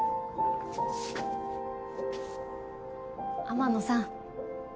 天野さん